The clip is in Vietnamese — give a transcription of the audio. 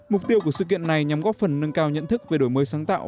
mục tiêu của sự kiện này nhằm góp phần nâng cao nhận thức về đổi mới sáng tạo